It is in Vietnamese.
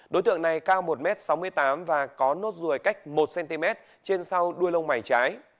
đối tượng này cao một m sáu mươi tám và có nốt ruồi cách một cm trên sau đuôi lông mày trái